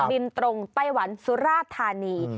บินตรงไต้หวันสุราธานี